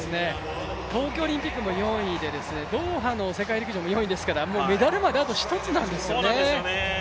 東京オリンピックの４位で、ドーハの世界陸上も４位ですからもうメダルまであと１つなんですよね。